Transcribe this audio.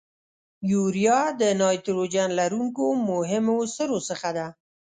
یوریا د نایتروجن لرونکو مهمو سرو څخه ده.